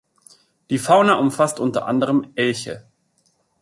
Die Fauna umfasst unter anderem Elche.